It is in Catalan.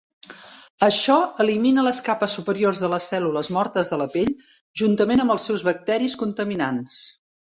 Això elimina les capes superiors de les cèl·lules mortes de la pell juntament amb els seus bacteris contaminants.